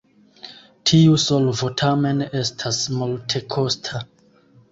Tiu solvo tamen estas multekosta.